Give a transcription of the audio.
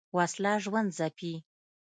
وسله ژوند ځپي